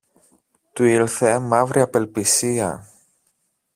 Του ήλθε μαύρη απελπισία.